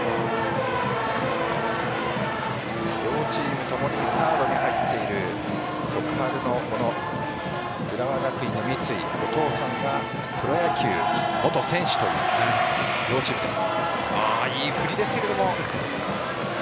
両チームともにサードに入っている徳栄の小野、浦和学院の三井お父さんがプロ野球元選手という両チームです。